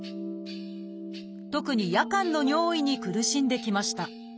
特に夜間の尿意に苦しんできました。